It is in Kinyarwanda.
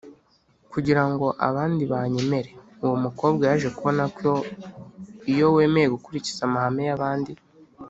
Kugira ngo abandi banyemere uwo mukobwa yaje kubona ko iyo wemeye gukurikiza amahame y abandi